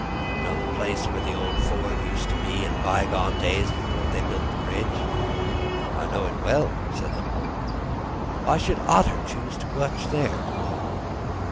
You know the place where the old ford used to be, in by gone days before they built the bridge?" "I know it well," said the Mole. "But why should Otter choose to watch there?"